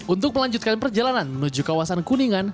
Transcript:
untuk melanjutkan perjalanan menuju kawasan kuningan